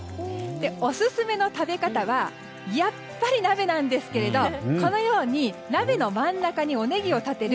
オススメの食べ方はやっぱり、鍋なんですけどこのように鍋の真ん中にネギを立てる